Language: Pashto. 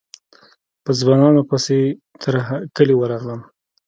په ځوانانو پسې تر کلي ورغلم.